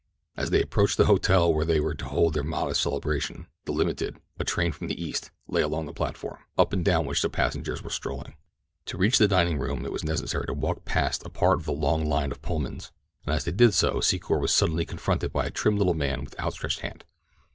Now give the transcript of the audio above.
As they approached the hotel where they were to hold their modest celebration, the Limited, a train from the East, lay along the platform, up and down which the passengers were strolling. To reach the dining room it was necessary to walk past a part of the long line of Pullmans and as they did so Secor was suddenly confronted by a trim little man with outstretched hand.